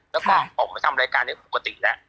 แล้วก็ออกมาทำรายการนี้ปกติแล้ว